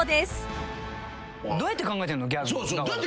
どうやって考えて。